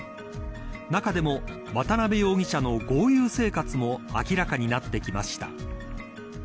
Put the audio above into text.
中でも、渡辺容疑者の豪遊生活も明らかになってきました。